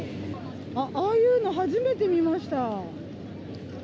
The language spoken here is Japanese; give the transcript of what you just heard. ああいうの初めて見ました。